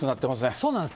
そうなんです。